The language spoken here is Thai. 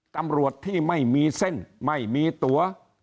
ตำรวจที่ไม่มีเส้นไม่มีตัว